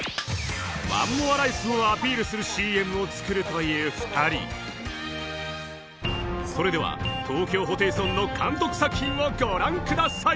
ワン・モア・ライスをアピールするＣＭを作るという二人それでは東京ホテイソンの監督作品をご覧ください